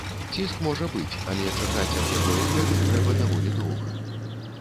Ціск можа быць, але чакаць ад яго эфект трэба даволі доўга.